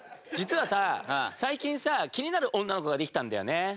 実はさ最近さ気になる女の子ができたんだよね。